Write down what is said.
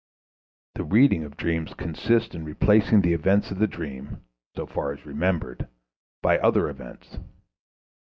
The reading of dreams consists in replacing the events of the dream, so far as remembered, by other events.